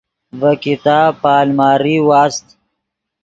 ڤے کتاب پے الماری واست